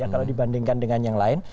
kalau dibandingkan dengan yang lain